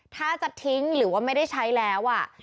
ถ้าจะทิ้งหรือว่าไม่ได้ใช้แล้ว